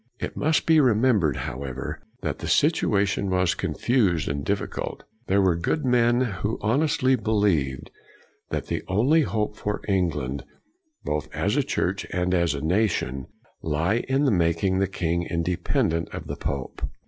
It must be remembered, however, that the situation was confused and difficult. There were good men who honestly be lieved that the only hope for England, both as a church and as a nation, lay in making the king independent of the pope.